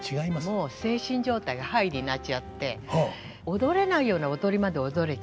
もう精神状態がハイになっちゃって踊れないような踊りまで踊れちゃうの。